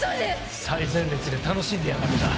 最前列で楽しんでやがるんだ！